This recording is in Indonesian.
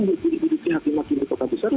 kan ini yang dikidiki hakim makin di kota besar